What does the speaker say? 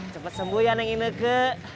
cepat sembuh neng ineke